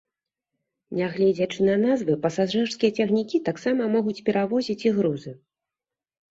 Нягледзячы на назвы, пасажырскія цягнікі таксама могуць перавозіць і грузы.